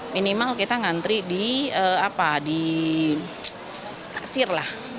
minimal kita ngantri di kasir lah